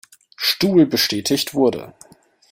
Stuhl bestätigt wurde.